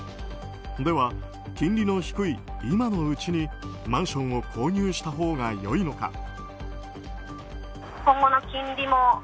では、金利の低い今のうちにマンションを購入したほうがよいのか。